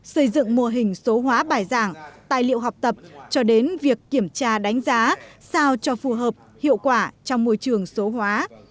xây dựng mô hình số hóa bài giảng tài liệu học tập cho đến việc kiểm tra đánh giá sao cho phù hợp hiệu quả trong môi trường số hóa